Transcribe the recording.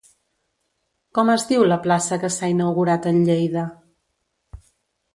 Com es diu la plaça que s'ha inaugurat en Lleida?